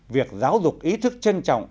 việc giáo dục ý thức trân trọng